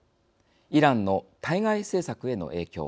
イランの対外政策への影響。